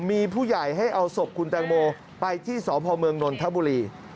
มีผู้ใหญ่ให้เอาศพคุณแตงโมไปที่สพเมืองนนทบุรี